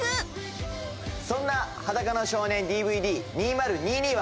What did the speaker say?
そんな『裸の少年ＤＶＤ２０２２』は。